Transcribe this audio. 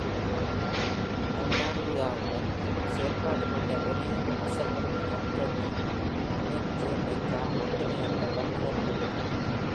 அல்டாரியாவுடன் இன்னும் செயல்பாட்டில் உள்ள ஒரேயொரு அசல் உறுப்பினர் Tony Smedjebacka மட்டுமே என்பது தான் இதன் பொருள்.